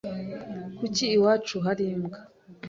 Kuki iwacu hari imbwa?